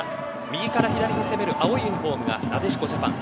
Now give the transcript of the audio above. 右から左に攻める青いユニホームがなでしこジャパン。